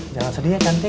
jangan sedih ya cantik